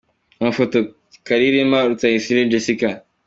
Amafoto : Karirima & Rutayisire Jessica.